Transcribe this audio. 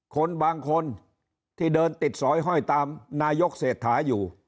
คนบางคนที่เดินติดสอยห้อยตามนายกเศรษฐาอยู่